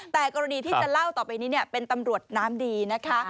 แต่กรณีที่จะเล่าต่อไปนี้เป็นตำรวจน้ำดีนะคะ